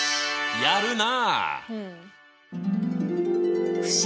やるな。